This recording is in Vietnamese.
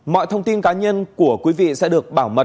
mọi thông tin cá nhân của quý vị sẽ được bảo mật